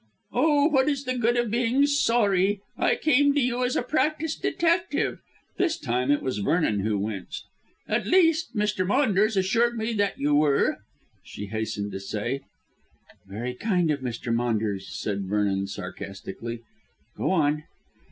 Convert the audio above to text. "Oh, what is the good of being sorry? I came to you as a practised detective," this time it was Vernon who winced; "at least, Mr. Maunders assured me that you were," she hastened to say. "Very kind of Mr. Maunders," said Vernon sarcastically. "Go on."